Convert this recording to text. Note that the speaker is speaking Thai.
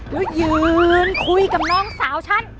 แล้วยืนคุยกับน้องสาวฉัน